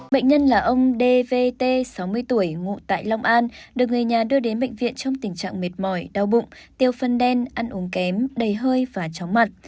bệnh nhân là ông dvt sáu mươi tuổi ngụ tại long an được người nhà đưa đến bệnh viện trong tình trạng mệt mỏi đau bụng tiêu phân đen ăn uống kém đầy hơi và chóng mặt